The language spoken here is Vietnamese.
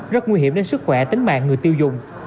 rất nguy hiểm đến sức khỏe tính mạng người tiêu dùng